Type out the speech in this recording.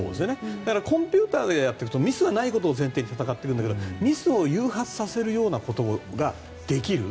コンピューターでやっているとミスがないことを前提に戦っていくんだけどミスを誘発させるようなことができる。